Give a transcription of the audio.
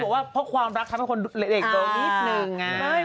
ว่าเพราะความรักทำให้คนเด็กตงซักนิด